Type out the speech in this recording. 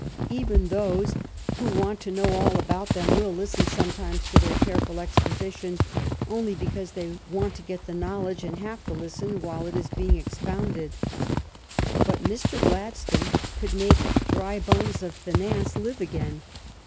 Even those who want GLADSTONE'S MARRIAGE 87 to know all about them will listen sometimes to their careful exposition only because they want to get the knowledge and have to listen while it is being expounded. But Mr. Gladstone could make dry bones of finance live again.